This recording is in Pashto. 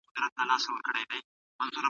مداخله کول د کورنيو خوږ ژوند تريخوي.